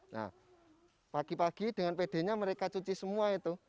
nah pagi pagi dengan pedenya mereka cuci semua itu